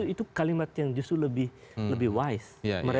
itu kalimat yang justru lebih wise